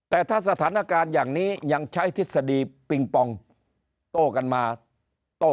แต่ถ้าสถานการณ์อย่างนี้ยังใช้ทฤษฎีปิงปองโต้กันมาโต้